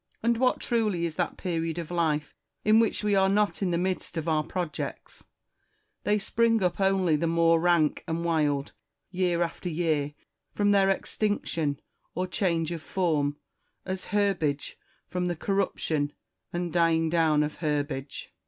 And what truly is that period of life in which we are not in the midst of our pro jects ? They spring up only the more rank and wild, year after year, from their extinction or change of form, as herbage from the corruption and dying down of herbage.